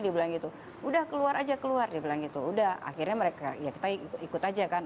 di belakang itu udah keluar aja keluar di belakang itu udah akhirnya mereka ya kita ikut aja kan